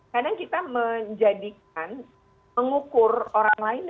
kadang kita menjadikan mengukur orang lain